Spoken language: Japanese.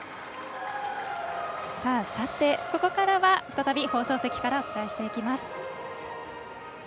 さて、ここからは再び放送席からお伝えしていきます。